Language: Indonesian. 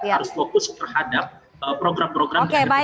harus fokus terhadap program program di akhir priode nya